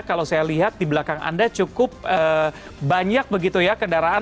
kalau saya lihat di belakang anda cukup banyak begitu ya kendaraan